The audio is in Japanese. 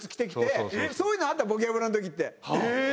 そういうのあった『ボキャブラ』の時って。